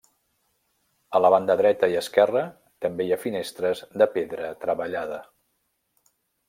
A la banda dreta i esquerra també hi ha finestres de pedra treballada.